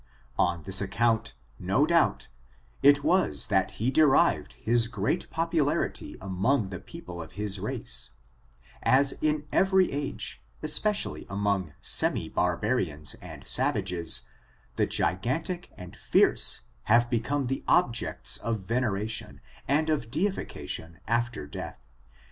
On this account, no doubt, it was that he derived his great popularity among the people of his race; as in every age, especially among semi barbarians and savages, the gigantic and fierce have become the objects of veneration, and of deifi cation after death.